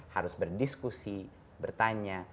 harus berdiskusi bertanya